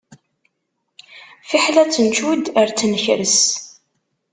Fiḥel ad tt-ncudd ad tt-nkres.